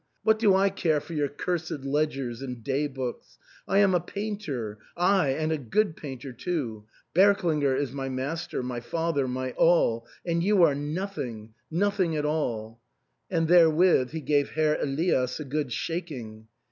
What do I care for your cursed ledgers and day books ? I am a painter, ay, and a good paint er too. Berklinger is my master, my father, my all, and you are nothing — nothing at all." And therewith he gave Herr Elias a good shaking.